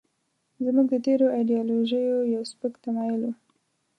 زموږ د تېرو ایډیالوژیو یو سپک تمایل و.